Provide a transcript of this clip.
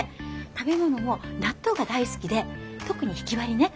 食べ物も納豆が大好きで特にひきわりね。